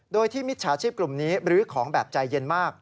โดยที่มิจฉาชีพกลุ่มนี้บรื้อของแบบใจเย็นมาก